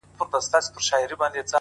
د مېلو پر ځای دا لازمه وګڼل